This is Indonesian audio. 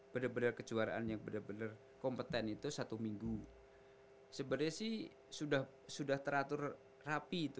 benar benar kejuaraan yang benar benar kompeten itu satu minggu sebenarnya sih sudah sudah teratur rapi itu